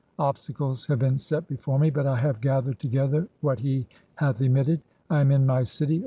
Obstacles have been set before me, but I have "gathered together what he hath emitted. I am in my city.